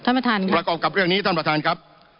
ประกอบกับเรื่องนี้ท่านประธานครับ